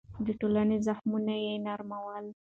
د ټولنې زخمونه يې نرمول.